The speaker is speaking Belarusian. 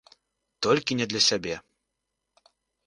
Толькі не для сябе.